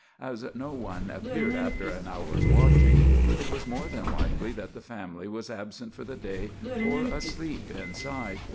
As no one appeared after an hour's watching, it was more than likely that the family was absent for the day or asleep inside.